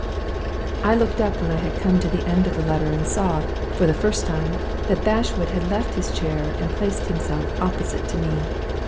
"I looked up when I had come to the end of the letter, and saw, for the first time, that Bashwood had left his chair and had placed himself opposite to me.